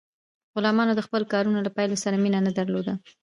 غلامانو د خپلو کارونو له پایلو سره مینه نه درلوده.